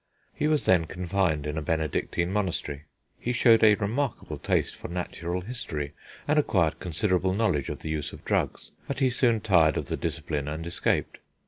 He was then confined in a Benedictine monastery. He showed a remarkable taste for natural history, and acquired considerable knowledge of the use of drugs; but he soon tired of the discipline and escaped.